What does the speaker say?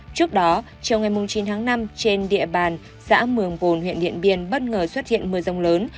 trước đó chiều ngày chín tháng năm trên địa bàn xã mường bồn huyện điện biên bất ngờ xuất hiện mưa rông lớn